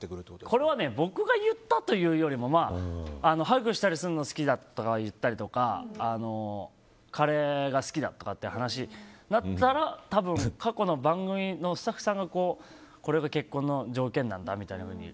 これは僕が言ったというよりもハグしたりするのが好きと言ったりとかカレーが好きだとかって話で過去の番組のスタッフさんがこれが結婚の条件なんだみたいに。